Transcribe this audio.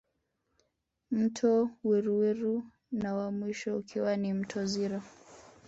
Mto Weruweru na wa mwisho ukiwa ni mto Zira